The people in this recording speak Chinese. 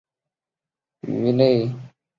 焦氏短稚鳕为深海鳕科短稚鳕属的鱼类。